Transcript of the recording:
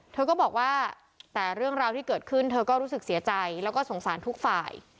เธอก็บอกว่าแต่เรื่องราวที่เกิดขึ้นเธอก็รู้สึกเสียใจแล้วก็สงสารทุกฝ่าย